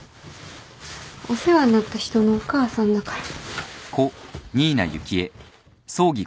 お世話になった人のお母さんだから。